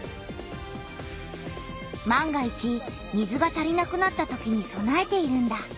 万が一水が足りなくなったときにそなえているんだ。